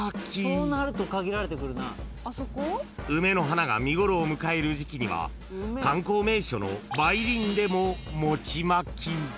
［梅の花が見頃を迎える時期には観光名所の梅林でも餅まき］